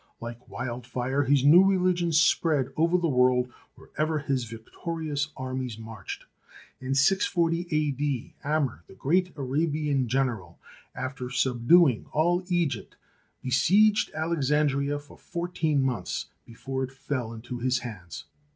Like wildfire his new religion spread over the world wherever his victorious armies marched. 1 82 THE SEVEN WONDERS In 640 A.D., Amr, the great Arabian general, after subduing all Egypt, besieged Alexandria for four teen months, before it fell into his hands.